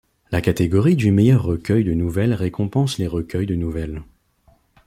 La catégorie du meilleur recueil de nouvelles récompense les recueils de nouvelles.